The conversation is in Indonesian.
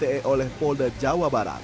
yang dipercaya oleh polda jawa barat